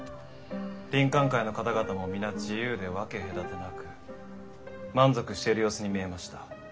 林肯会の方々も皆自由で分け隔てなく満足している様子に見えました。